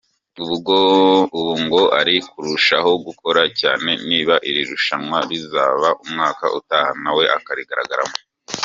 Ubu ngo ari kurushaho gukora cyane niba iri rushanwa rizaba umwaka utaha nawe akarigaragaramo.